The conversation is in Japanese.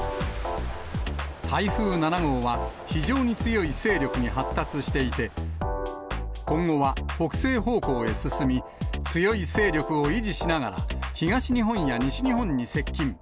台風７号は、非常に強い勢力に発達していて、今後は北西方向へ進み、強い勢力を維持しながら、東日本や西日本に接近。